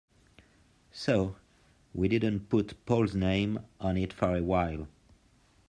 So we didn't put Paul's name on it for a while.